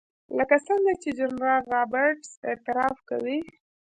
لکه څنګه چې جنرال رابرټس اعتراف کوي.